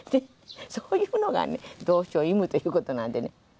そういうのがね同床異夢ということなんでね。